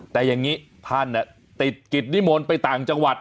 แต่อย่างนี้ท่านติดกิจนิมนต์ไปต่างจังหวัด